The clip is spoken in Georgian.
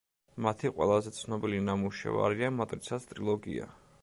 მათი ყველაზე ცნობილი ნამუშევარია „მატრიცას“ ტრილოგია.